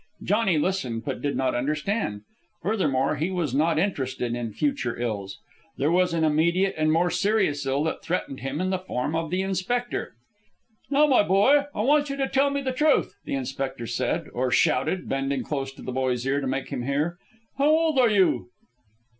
Johnny listened, but did not understand. Furthermore he was not interested in future ills. There was an immediate and more serious ill that threatened him in the form of the inspector. "Now, my boy, I want you to tell me the truth," the inspector said, or shouted, bending close to the boy's ear to make him hear. "How old are you?"